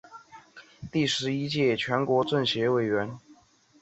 第十一届全国政协委员。